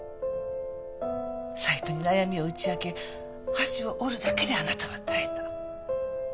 サイトに悩みを打ち明け箸を折るだけであなたは耐えた。